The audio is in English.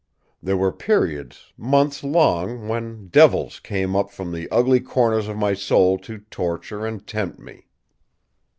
There were periods months long when devils came up from the ugly corners of my soul to torture and tempt me.